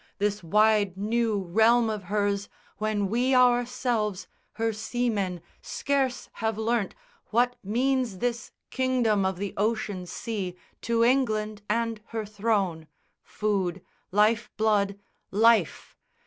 this wide new realm of hers, When we ourselves her seamen scarce have learnt What means this kingdom of the ocean sea To England and her throne food, life blood, life!